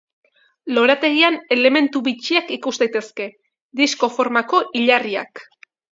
Lorategian elementu bitxiak ikus daitezke: disko-formako hilarriak.